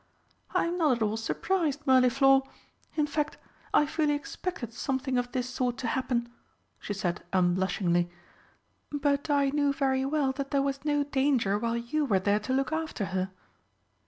"I am not at all surprised, Mirliflor. In fact, I fully expected something of this sort to happen," she said unblushingly. "But I knew very well that there was no danger while you were there to look after her."